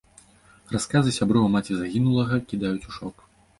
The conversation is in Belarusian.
Расказы сяброў і маці загінулага кідаюць у шок.